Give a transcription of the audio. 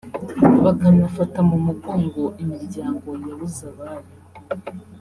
bakanafata mu mugongo imiryango yabuze abayo